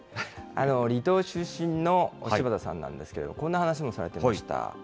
離島出身の芝田さんなんですけれども、こんな話もされていました。